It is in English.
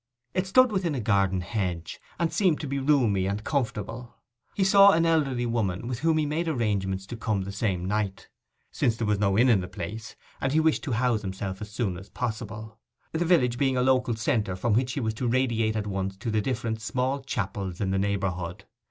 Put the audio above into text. It stood within a garden hedge, and seemed to be roomy and comfortable. He saw an elderly woman, with whom he made arrangements to come the same night, since there was no inn in the place, and he wished to house himself as soon as possible; the village being a local centre from which he was to radiate at once to the different small chapels in the neighbourhood.